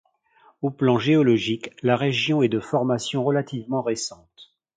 Au plan géologique, la région est de formation relativement récente.